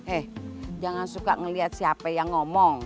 eh jangan suka ngelihat siapa yang ngomong